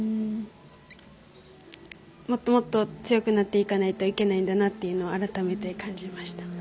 もっともっと強くなっていかないといけないんだなと改めて感じました。